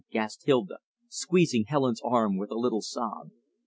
gasped Hilda, squeezing Helen's arm with a little sob.